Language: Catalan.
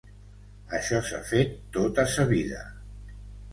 Això s'ha fet tota sa vida!